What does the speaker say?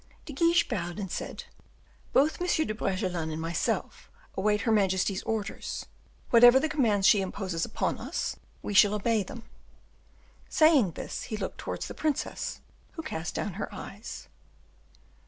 De Guiche bowed and said, "Both M. de Bragelonne and myself await her majesty's orders; whatever the commands she imposes on us, we shall obey them." Saying this, he looked towards the princess, who cast down her eyes.